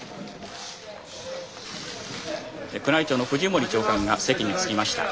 宮内庁の藤森長官が席に着きました。